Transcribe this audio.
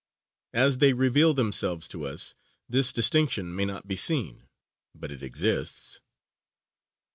As they reveal themselves to us, this distinction may not be seen, but it exists.